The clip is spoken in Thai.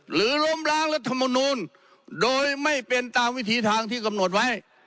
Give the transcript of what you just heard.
ล้มล้างรัฐมนูลโดยไม่เป็นตามวิธีทางที่กำหนดไว้